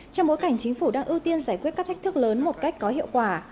trong bối cảnh chính phủ đang ưu tiên giải quyết các thách thức lớn một cách có hiệu quả